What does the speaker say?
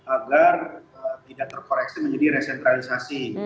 agar tidak terkoreksi menjadi resentralisasi